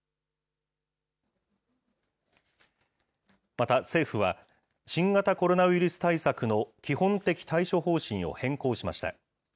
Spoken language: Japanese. また政府は、新型コロナウイルス対策の基本的対処方針を変更しました。